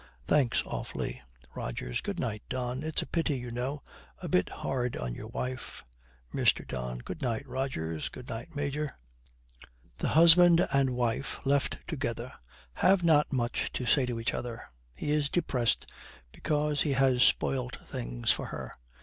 Thanks, awfully.' ROGERS. 'Good night, Don. It's a pity, you know; a bit hard on your wife.' MR. DON. 'Good night, Rogers. Good night, Major.' The husband and wife, left together, have not much to say to each other. He is depressed because he has spoilt things for her.